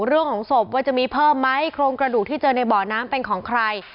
เรื่องของศพว่าจะมีเพิ่มไหมโครงกระดูกที่เจอในบ่อน้ำเป็นของใคร